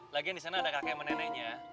lagian disana ada kakek meneneknya